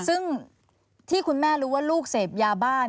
ซึ่งที่คุณแม่รู้ว่าลูกเสพยาบ้าน